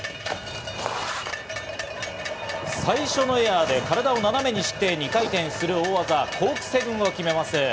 最初のエアで体を斜めにして２回転する大技、コーク７２０を決めます。